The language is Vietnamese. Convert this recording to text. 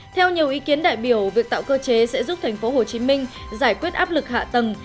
theo nhiều ý kiến đại biểu việc tạo cơ chế sẽ giúp tp hcm giải quyết áp lực hạ tầng